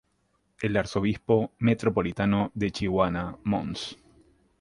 El Arzobispo metropolitano de Chihuahua Mons.